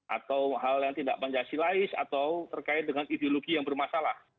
atau hal yang tidak pancasilais atau terkait dengan ideologi yang bermasalah